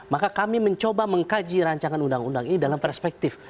maka kami mencoba mengkaji rancangan undang undang ini dalam perspektif